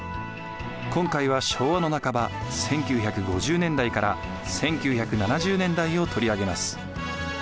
今回は昭和の半ば１９５０年代から１９７０年代を取り上げます。